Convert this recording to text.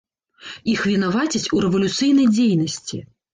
Іх вінавацяць у рэвалюцыйнай дзейнасці.